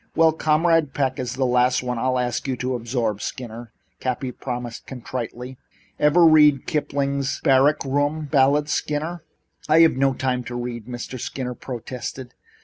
"Well, Comrade Peck is the last one I'll ask you to absorb, Skinner," Cappy promised contritely. "Ever read Kipling's Barrack Room Ballads, Skinner?" "I have no time to read," Mr. Skinner protested.